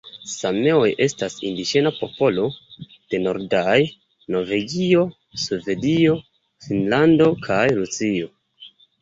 Sameoj estas indiĝena popolo de nordaj Norvegio, Svedio, Finnlando kaj Rusio.